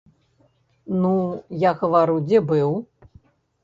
Ну, я гавару, дзе быў.